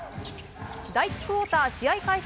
第１クオーター、試合開始